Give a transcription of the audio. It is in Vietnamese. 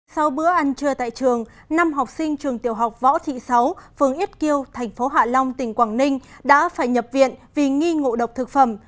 sau bữa ăn trưa tại trường năm học sinh trường tiểu học võ thị sáu phường ít kiêu thành phố hạ long tỉnh quảng ninh đã phải nhập viện vì nghi ngộ độc thực phẩm